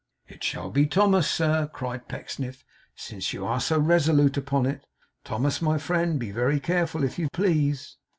'It shall be Thomas, sir,' cried Pecksniff, 'since you are so resolute upon it. Thomas, my friend, be very careful, if you please.